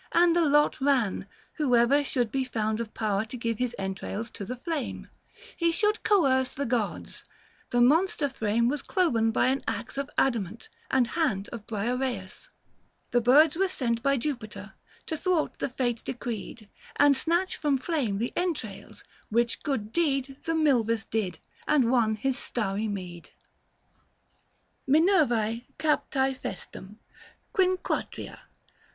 And the lot ran, whoever should be found Of power to give his entrails to the flame, 860 He should coerce the Gods : the monster frame Was cloven by an axe of adamant And hand of Briareus : the birds were sent By Jupiter, to thwart the fate decreed And snatch from flame the entrails : which good deed 865 The Milvus did : and won his starry meed. XIV. KAL. APE. MINEEV^E CAPT.E FESTUM. QUINQUATEIA.